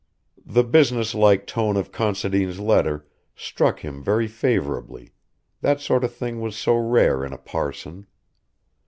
The business like tone of Considine's letter struck him very favourably; that sort of thing was so rare in a parson.